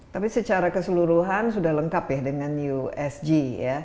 tapi secara keseluruhan sudah lengkap ya dengan usg ya